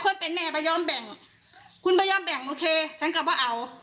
คนเป็นแม่ไม่ยอมแบ่งคุณไม่ยอมแบ่งโอเคฉันก็ว่าเอา